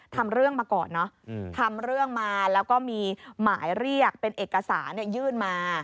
ทำเรื่องมาก่อนเนอะทำเรื่องมาแล้วก็มีหมายเรียกเป็นเอกสารยื่นมา